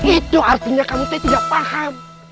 itu artinya kamu itu tidak paham